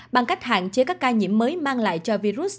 bằng cách hạn chế các ca nhiễm mới mang lại cho virus